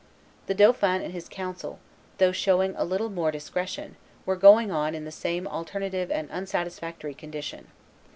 The dauphin and his council, though showing a little more discretion, were going on in the same alternative and unsatisfactory condition.